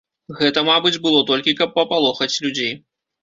Гэта, мабыць, было толькі каб папалохаць людзей.